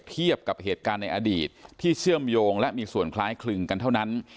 เทียบกับเหตุการณ์ในอดีตที่เชื่อมโยงและมีส่วนคล้ายคลึงกันเท่านั้น